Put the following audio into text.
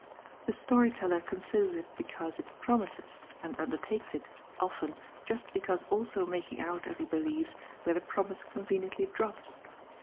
The storyteller considers it because it promises, and undertakes it, often, just because also making out, as he believes, where the promise conveniently drops.